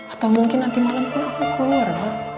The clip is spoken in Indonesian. atau mungkin nanti malampun aku keluar mak